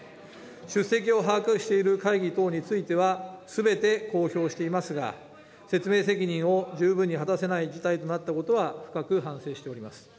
出席を把握している会議等については、すべて公表していますが、説明責任を十分に果たせない事態となったことは、深く反省しております。